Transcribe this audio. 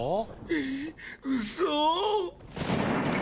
ええうそ。